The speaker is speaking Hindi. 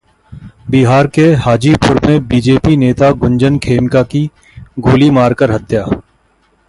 बिहार के हाजीपुर में बीजेपी नेता गुंजन खेमका की गोली मारकर हत्या